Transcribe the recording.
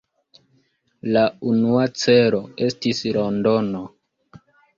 La unua celo estis Londono.